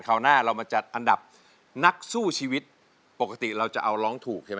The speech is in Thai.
หน้าเรามาจัดอันดับนักสู้ชีวิตปกติเราจะเอาร้องถูกใช่ไหม